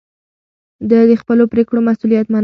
ده د خپلو پرېکړو مسووليت منلو.